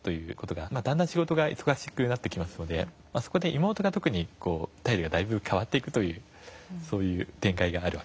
だんだん仕事が忙しくなってきますのでそこで妹が特に態度がだいぶ変わっていくという展開がある。